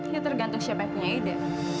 ya tergantung siapa yang punya ide